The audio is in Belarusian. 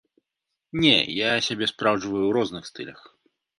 Не, я сябе спраўджваю ў розных стылях.